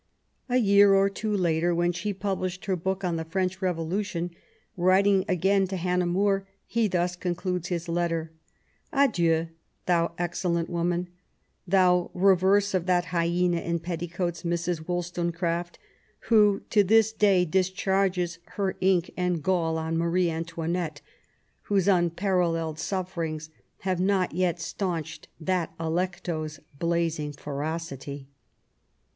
A year or two la ter. 104 MABY W0LL8T0NEGBAFT GODWIN. when she had published her book on the French Revo lution, writing again to Hannah More, he thus con eludes his letter :— Adieu, thou excellent woman 1 thou reverse of that hyena in petti coats, Mrs. Wollstonecraft, who to this day discharges her ink and gall on Marie Antoinette, whose unparalleled sufferings have not yet staunched that Alecto's blazing ferocity.